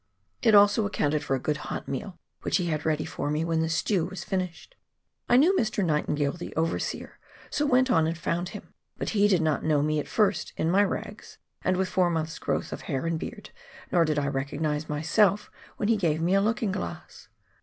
It also accounted for a good hot meal which he had ready for me when the stew was finished ! I knew Mr. Night ingale, the overseer, so went on and found him, but he did not know me at first, in my rags, with the four months' growth of hair and beard, nor did I recognise myself when he gave me a looking glass